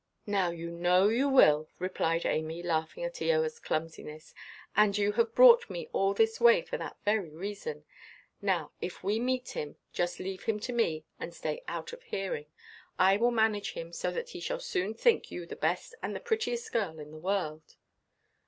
"Now, you know you will," replied Amy, laughing at Eoaʼs clumsiness; "and you have brought me all this way for that very reason. Now, if we meet him, just leave him to me, and stay out of hearing. I will manage him so that he shall soon think you the best and the prettiest girl in the world."